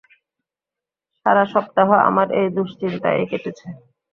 সারা সপ্তাহ আমার এই দুঃশ্চিন্তায়ই কেটেছে।